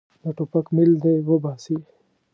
د ټوپک میل دې وباسي.